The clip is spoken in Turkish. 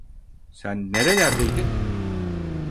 Sen nerelerdeydin?